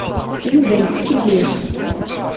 Yuba yettkellix.